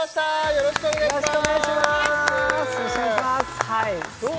よろしくお願いします